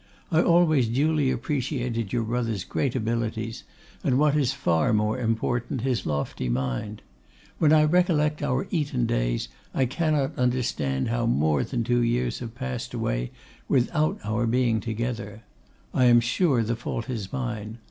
I always duly appreciated your brother's great abilities, and, what is far more important, his lofty mind. When I recollect our Eton days, I cannot understand how more than two years have passed away without our being together. I am sure the fault is mine.